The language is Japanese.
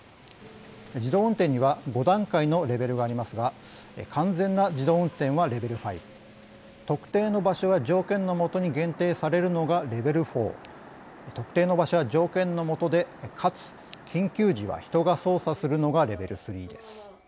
自動運転には５段階のレベルがありますが完全な自動運転はレベル５特定の場所や条件の下に限定されるのがレベル４特定の場所や条件の下でかつ緊急時は人が操作するのがレベル３です。